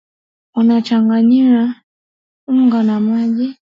Unachanganya unga na maji